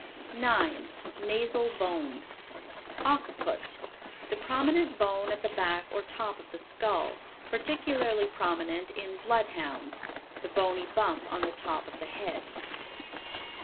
9. NASAL BONE. Occiput. The prominent bone at the back or top of the skull; particularly prominent in Bloodhounds; the bony bump on the top of the head.